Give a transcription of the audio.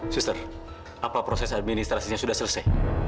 suster apa proses administrasinya sudah selesai